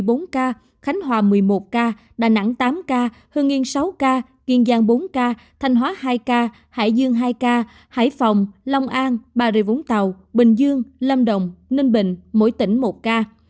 bốn ca khánh hòa một mươi một ca đà nẵng tám ca hưng yên sáu ca kiên giang bốn ca thanh hóa hai ca hải dương hai ca hải phòng long an bà rịa vũng tàu bình dương lâm đồng ninh bình mỗi tỉnh một ca